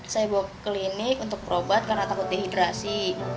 saya bawa klinik untuk berobat karena takut dehidrasi